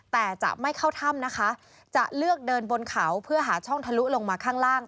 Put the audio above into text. แต่จะไม่เข้าถ้ำนะคะจะเลือกเดินบนเขาเพื่อหาช่องทะลุลงมาข้างล่าง